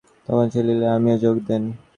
তখন সেই লীলায় আমিও যোগ দেব।